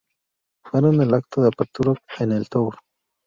Fueron el acto de apertura en el tour.